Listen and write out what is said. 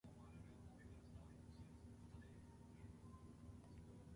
These owls are generally monogamous.